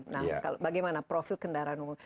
nah bagaimana profil kendaraan umum